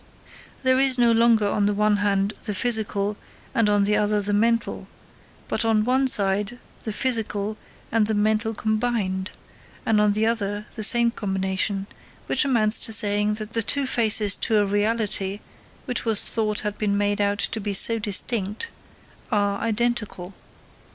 There is no longer on the one hand the physical, and on the other the mental, but on one side the physical and the mental combined, and on the other the same combination; which amounts to saying that the two faces to a reality, which it was thought had been made out to be so distinct, are identical.